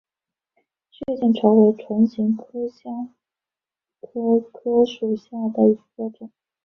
血见愁为唇形科香科科属下的一个种。